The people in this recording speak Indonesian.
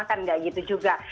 kan nggak gitu juga